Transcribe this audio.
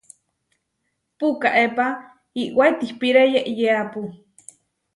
Pukaépa iʼwá itihpíre yeʼyeápu.